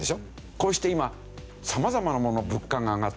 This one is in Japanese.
こうして今様々なものの物価が上がってる。